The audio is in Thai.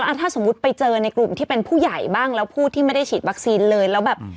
ถ้าสมมุติไปเจอในกลุ่มที่เป็นผู้ใหญ่บ้างแล้วผู้ที่ไม่ได้ฉีดวัคซีนเลยแล้วแบบ